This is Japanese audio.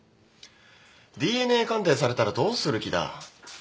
ＤＮＡ鑑定されたらどうする気だ。